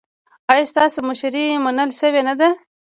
ایا ستاسو مشري منل شوې نه ده؟